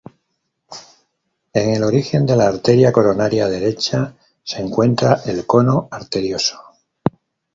En el origen de la "arteria coronaria derecha" se encuentra el cono arterioso.